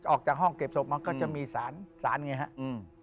ออกจากห้องเก็บศพมันก็จะมีสารสารไงครับอืม